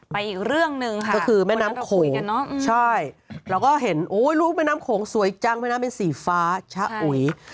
อีกเรื่องหนึ่งค่ะก็คือแม่น้ำโขงใช่เราก็เห็นลูกแม่น้ำโขงสวยจังแม่น้ำเป็นสีฟ้าชะอุ๋ย